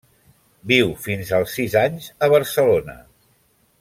Viu fins als sis anys a Barcelona.